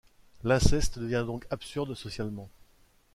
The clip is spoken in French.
L'inceste devient donc absurde socialement.